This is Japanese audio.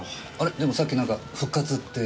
でもさっき何か復活って。